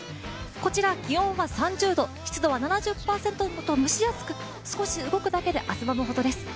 こちら気温は３０度湿度は７０％と蒸し暑く少し動くだけで汗ばむほどです。